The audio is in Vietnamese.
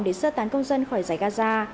để sơ tán công dân khỏi giải gaza